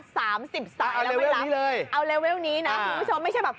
สามสิบสายแล้วไม่รับเลยเอาเลเวลนี้นะคุณผู้ชมไม่ใช่แบบ